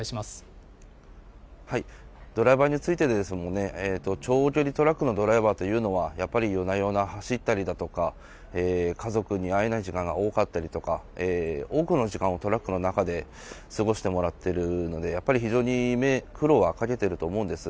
ドライバーについてもですね、長距離トラックのドライバーというのは、やっぱり、夜な夜な走ったりだとか、家族に会えない時間が多かったりとか、多くの時間をトラックの中で過ごしてもらっているので、やっぱり非常に苦労はかけていると思うんです。